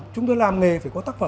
chúng tôi làm nghề phải có tắc phẩm